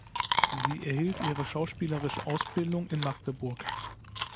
Sie erhielt ihre schauspielerische Ausbildung in Magdeburg.